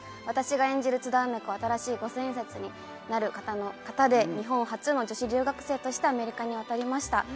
私が演じる津田梅子は新しい五千円札になる方で日本初の女子留学生としてアメリカに渡りました。